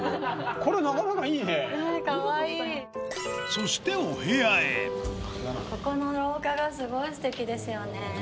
そしてここの廊下がすごい素敵ですよね。